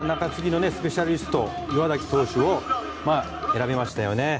稲葉監督は中継ぎのスペシャリスト岩崎投手を選びましたよね。